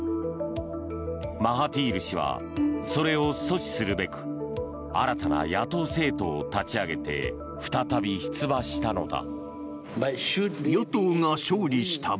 マハティール氏はそれを阻止するべく新たな野党政党を立ち上げて再び出馬したのだ。